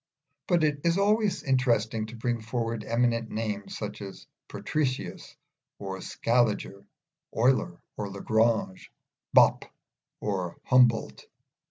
But it is always interesting to bring forward eminent names, such as Patricius or Scaliger, Euler or Lagrange, Bopp or Humboldt.